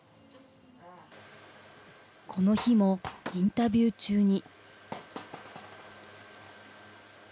この日も、インタビュー中に。